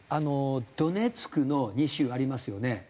ドネツクの２州ありますよね。